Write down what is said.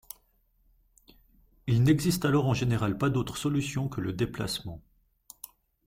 Il n'existe alors en général pas d'autre solution que le déplacement.